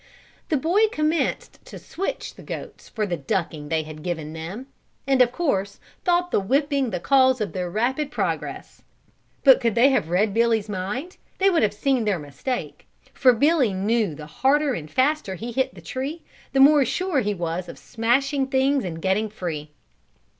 The boy commenced to switch the goats for the ducking they had given them, and of course, thought the whipping the cause of their rapid progress; but could they have read Billy's mind they would have seen their mistake, for Billy knew the harder and faster he hit the tree the more sure he was of smashing things and getting free.